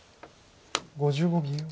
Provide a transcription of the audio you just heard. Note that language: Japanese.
５５秒。